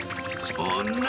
そんな！